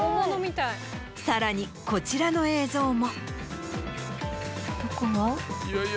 さらにこちらの映像も。